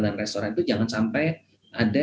dan restoran itu jangan sampai ada